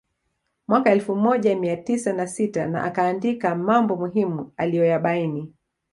Mwaka elfu moja mia tisa na sita na akaandika mambo muhimu aliyoyabaini